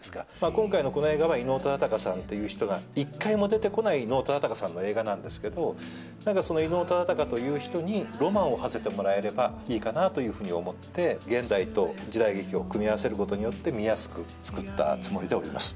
今回のこの映画は、伊能忠敬さんという人が一回も出てこない伊能忠敬さんの映画なんですけど、なんかその伊能忠敬という人にロマンをはせてもらえたらいいかなというふうに思って現代と時代劇を組み合わせることによって、見やすく作ったつもりでおります。